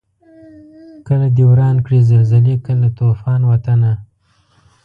کله دي وران کړي زلزلې کله توپان وطنه